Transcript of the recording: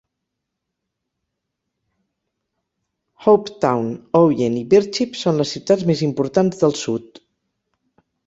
Hopetoun, Ouyen i Birchip són les ciutats més importants del sud.